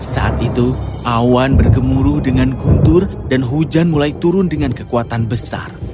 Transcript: saat itu awan bergemuruh dengan guntur dan hujan mulai turun dengan kekuatan besar